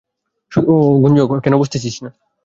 গুঞ্জু, কেন বুঝতেছিস না?